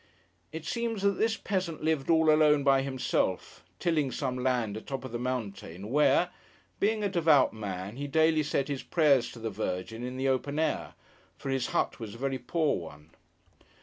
It seems that this peasant lived all alone by himself, tilling some land atop of the mountain, where, being a devout man, he daily said his prayers to the Virgin in the open air; for his hut was a very poor one.